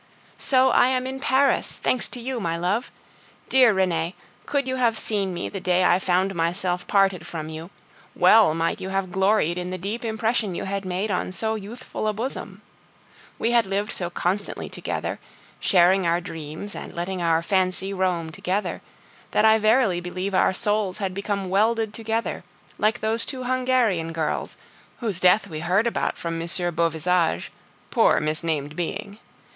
So I am in Paris, thanks to you, my love! Dear Renee, could you have seen me the day I found myself parted from you, well might you have gloried in the deep impression you had made on so youthful a bosom. We had lived so constantly together, sharing our dreams and letting our fancy roam together, that I verily believe our souls had become welded together, like those two Hungarian girls, whose death we heard about from M. Beauvisage poor misnamed being!